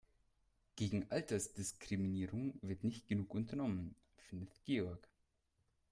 Gegen Altersdiskriminierung wird nicht genug unternommen, findet Georg.